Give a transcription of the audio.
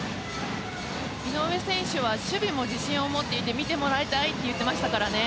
井上選手は守備も自信を持っていて見てもらいたいと言っていましたからね。